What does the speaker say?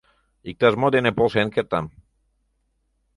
Иктаж-мо дене полшен кертам.